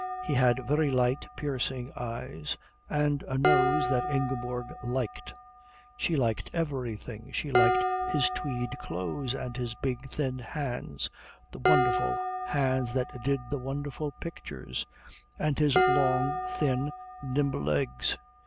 He had very light, piercing eyes, and a nose that Ingeborg liked. She liked everything. She liked his tweed clothes, and his big thin hands the wonderful hands that did the wonderful pictures and his long thin nimble legs.